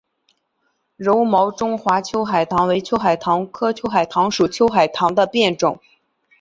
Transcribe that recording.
柔毛中华秋海棠为秋海棠科秋海棠属秋海棠的变种。